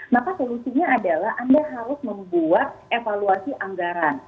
maka solusinya adalah anda harus membuat evaluasi anggaran